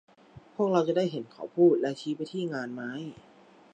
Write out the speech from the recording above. พวกเราจะได้เห็นเขาพูดและชี้ไปที่งานไม้